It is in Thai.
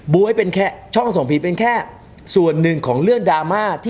ให้เป็นแค่ช่องส่องผีเป็นแค่ส่วนหนึ่งของเรื่องดราม่าที่